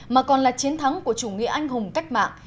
mà còn là chiến thắng của chủ nghĩa anh hùng cách mạng